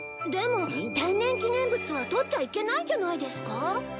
でも天然記念物は捕っちゃいけないんじゃないですか？